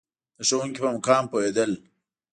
د ښوونکي په مقام پوهېدل.